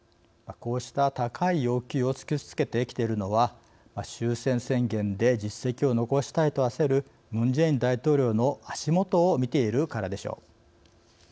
こうした高い要求を突きつけてきているのは終戦宣言で実績を残したいと焦るムン・ジェイン大統領の足元を見ているからでしょう。